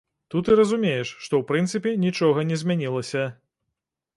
Тут і разумееш, што ў прынцыпе нічога не змянілася.